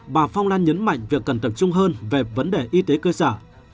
bà phong lan nhấn mạnh việc cần tập trung hơn về vấn đề y tế cơ sở